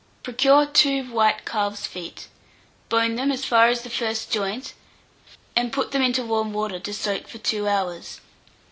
Procure 2 white calf's feet; bone them as far as the first joint, and put them into warm water to soak for 2 hours.